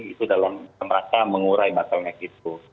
itu dalam merasa mengurai batalnya gitu